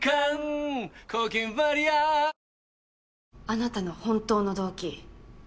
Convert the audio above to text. あなたの本当の動機。